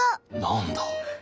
何だ。